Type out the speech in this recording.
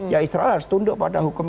ya israel harus tunduk pada hukum